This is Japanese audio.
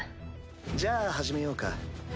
じゃあ始めようか。